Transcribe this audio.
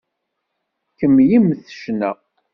Kemmlemt ccna!